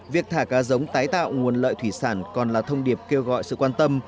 việc thả cá giống tái tạo nguồn lợi thủy sản còn là thông điệp kêu gọi sự quan tâm